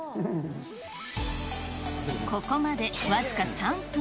ここまで僅か３分。